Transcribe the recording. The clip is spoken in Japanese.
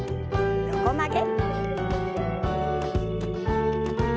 横曲げ。